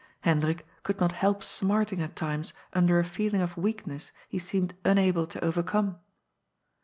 Hendrik could not help smarting at times under a feeling of weakness he seemed unable to overcome.